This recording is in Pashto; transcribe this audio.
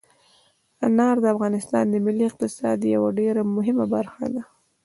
انار د افغانستان د ملي اقتصاد یوه ډېره مهمه برخه ده.